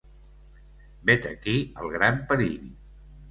Vet aquí el gran perill.